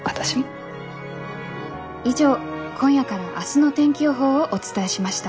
以上今夜から明日の天気予報をお伝えしました。